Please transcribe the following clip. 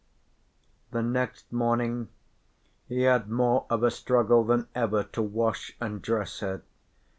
The next morning he had more of a struggle than ever to wash and dress her.